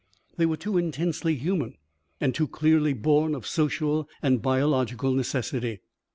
They were too intensely human and too clearly born of social and biological necessity.